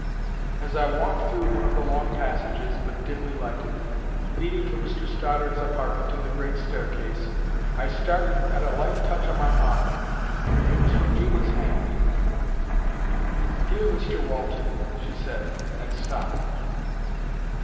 As I walked through one of the long passages, but dimly lighted, leading from Mr Stoddart's apartment to the great staircase, I started at a light touch on my arm. It was from Judy's hand. "Dear Mr Walton——" she said, and stopped.